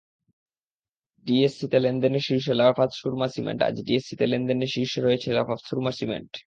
ডিএসইতে লেনদেনে শীর্ষে লাফার্জ সুরমা সিমেন্টআজ ডিএসইতে লেনদেনে শীর্ষে রয়েছে লাফার্জ সুরমা সিমেন্ট।